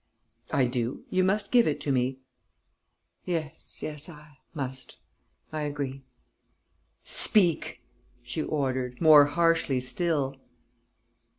"I do. You must give it to me." "Yes, yes, I must ... I agree." "Speak!" she ordered, more harshly still.